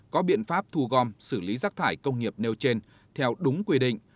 có biện pháp thu gom xử lý rác thải công nghiệp nêu trên theo đúng quy định